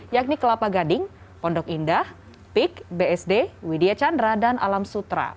yakni kelapa gading pondok indah pik bsd widya chandra dan alam sutra